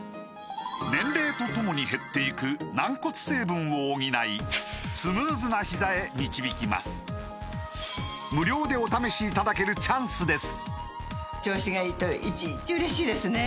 年齢とともに減っていく軟骨成分を補いスムーズなひざへ導きます無料でお試しいただけるチャンスです